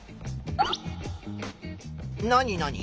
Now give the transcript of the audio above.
何何？